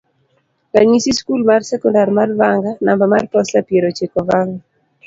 ranyisi, skul mar sekondar mar Vanga, namba mar posta, piero chiko Vanga